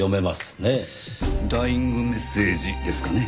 ダイイングメッセージですかね。